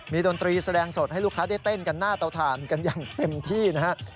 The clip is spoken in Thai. ดนตรีแสดงสดให้ลูกค้าได้เต้นกันหน้าเตาถ่านกันอย่างเต็มที่นะครับ